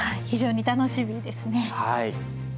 非常に楽しみですね。